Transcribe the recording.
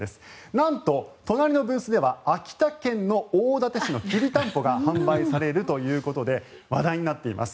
なんと、隣のブースでは秋田県の大館市のきりたんぽが販売されるということで話題になっています。